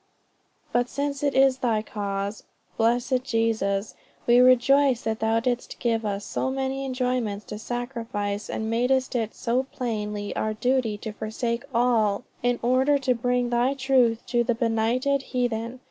_ But since it is thy cause, blessed Jesus, we rejoice that thou didst give us so many enjoyments to sacrifice, and madest it so plainly our duty to forsake all in order to bring thy truth to the benighted heathen.